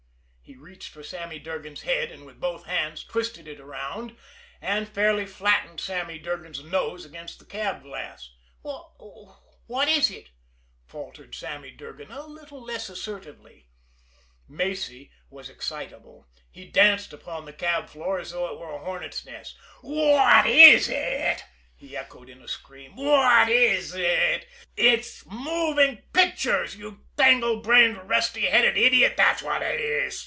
He reached for Sammy Durgan's head, and with both hands twisted it around, and fairly flattened Sammy Durgan's nose against the cab glass. "What what is it?" faltered Sammy Durgan, a little less assertively. Macy was excitable. He danced upon the cab floor as though it were a hornets' nest. "What is it!" he echoed in a scream. "What is it! It's moving pictures, you tangle brained, rusty headed idiot! That's what it is!"